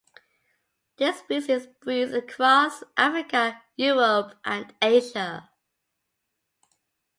This species breeds across Africa, Europe and Asia.